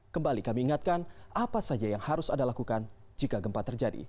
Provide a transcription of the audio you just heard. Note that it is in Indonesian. kembali kami ingatkan apa saja yang harus anda lakukan jika gempa terjadi